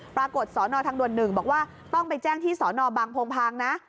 สนทางด่วน๑บอกว่าต้องไปแจ้งที่สนบางโพงพางนะ